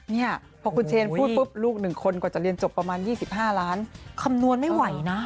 เนี่ยพอคุณเชนพูดปุ๊บลูก๑คนกว่าจะเรียนจบประมาณ๒๕ล้านคำนวณไม่ไหวนะ